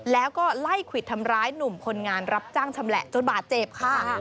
แล้วก็ไล่ควิดทำร้ายหนุ่มคนงานรับจ้างชำแหละจนบาดเจ็บค่ะ